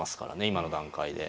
今の段階で。